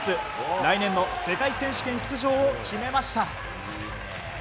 来年の世界選手権出場を決めました。